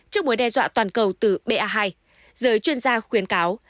trước mối đe dọa toàn cầu từ ba hai giới chuyên gia khuyến cáo